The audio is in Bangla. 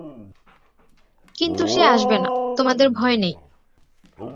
কিন্তু সে আসবে না, তোমাদের ভয় নেই।